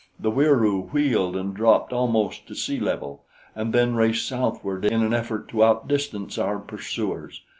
The Wieroo wheeled and dropped almost to sea level, and then raced southward in an effort to outdistance our pursuers.